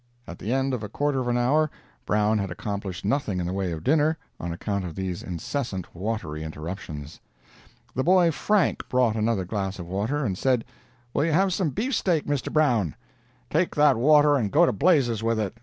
At the end of a quarter of an hour Brown had accomplished nothing in the way of dinner, on account of these incessant watery interruptions. The boy Frank brought another glass of water, and said, "Will you have some beefsteak, Mr. Brown?" "Take that water and go to blazes with it!